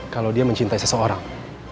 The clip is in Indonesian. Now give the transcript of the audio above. kalau dia mencintai seseorang